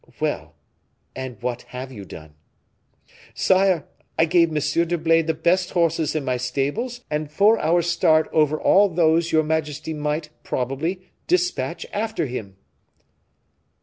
"Well! and what have you done?" "Sire, I gave M. d'Herblay the best horses in my stables and four hours' start over all those your majesty might, probably, dispatch after him."